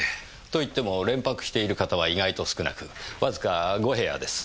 といっても連泊してる方は意外と少なくわずか５部屋です。